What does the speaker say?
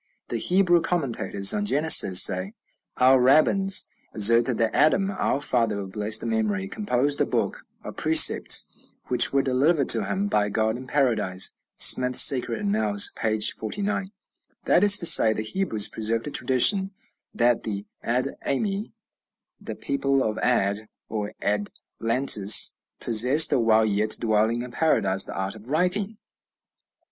The Hebrew commentators on Genesis say, "Our rabbins assert that Adam, our father of blessed memory, composed a book of precepts, which were delivered to him by God in Paradise." (Smith's "Sacred Annals," p. 49.) That is to say, the Hebrews preserved a tradition that the Ad ami, the people of Ad, or Adlantis, possessed, while yet dwelling in Paradise, the art of writing.